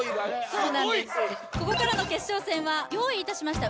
すごいここからの決勝戦は用意いたしました